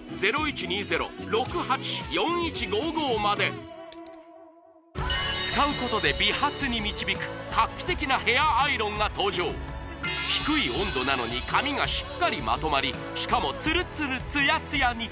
お見逃しなく使うことで美髪に導く画期的なヘアアイロンが登場低い温度なのに髪がしっかりまとまりしかもツルツルツヤツヤに！